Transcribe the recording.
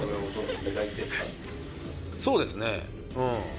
そうですねうん。